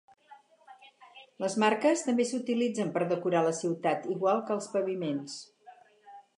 Les marques també s'utilitzen per decorar la ciutat, igual que als paviments.